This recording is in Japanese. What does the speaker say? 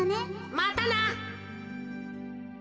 またな。